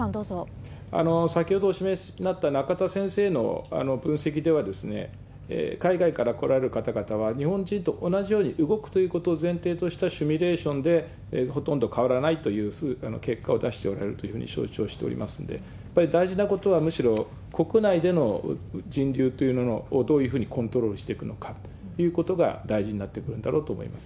先ほどお示しになった、仲田先生の分析では、海外から来られる方々は、日本人と同じように動くということを前提としたシミュレーションで、ほとんど変わらないという結果を出しておられるというふうに承知をしておりますんで、やっぱり大事なことは、むしろ、国内での人流というものをどういうふうにコントロールしていくのかということが大事になってくるんだろうと思います。